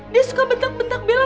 dia suka bentak bentak bella